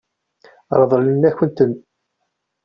Ṛeḍlent-akent-ten.